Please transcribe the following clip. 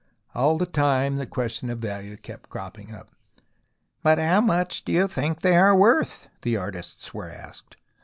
All the time the question of value kept cropping up. " How much do you think they are worth ?" the artists were asked.